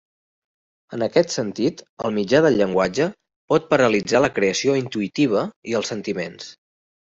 En aquest sentit el mitjà del llenguatge pot paralitzar la creació intuïtiva i els sentiments.